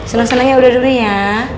senang senangnya udah demi ya